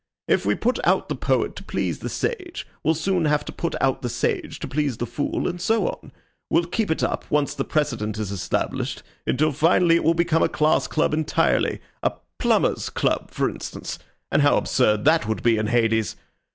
If we put out the poet to please the sage, we'll soon have to put out the sage to please the fool, and so on. We'll keep it up, once the precedent is established, until finally it will become a class club entirely a Plumbers' Club, for instance and how absurd that would be in Hades!